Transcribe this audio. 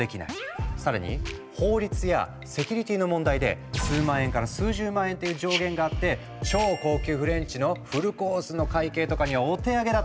更に法律やセキュリティーの問題で数万円から数十万円っていう上限があって超高級フレンチのフルコースの会計とかにはお手上げだったんだ。